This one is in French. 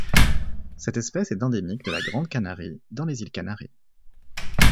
Cette espèce est endémique de la Grande Canarie dans les îles Canaries.